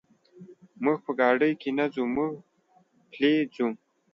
موږ په ګاډي کې نه ځو، موږ پلي ځو.